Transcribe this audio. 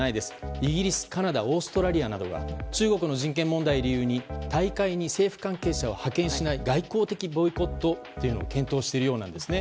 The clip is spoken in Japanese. イギリス、カナダオーストラリアなどが中国の人権問題を理由に大会に政府関係者を派遣しない、外交的ボイコットを検討しているようなんです。